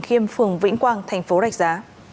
kìm phường vĩnh quang thành phố rạch giá